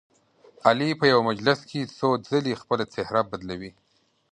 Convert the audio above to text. علي په یوه مجلس کې څو ځلې خپله څهره بدلوي.